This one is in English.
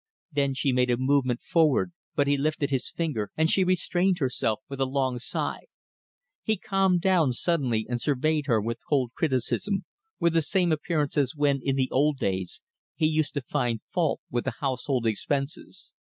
Then she made a movement forward, but he lifted his finger, and she restrained herself with a long sigh. He calmed down suddenly and surveyed her with cold criticism, with the same appearance as when, in the old days, he used to find fault with the household expenses.